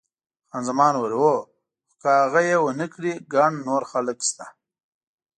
خان زمان وویل، هو، خو که هغه یې ونه کړي ګڼ نور خلک شته.